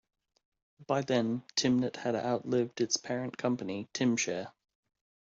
By then, Tymnet had outlived its parent company, Tymshare.